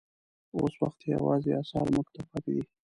اوس وخت یې یوازې اثار موږ ته پاتې دي.